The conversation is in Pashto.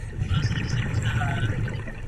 دا يوه روڼوونې اله ده .